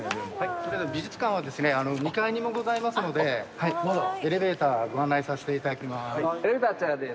それでは美術館は２階にもございますのでエレベーターご案内させていただきますエレベーターあちらです。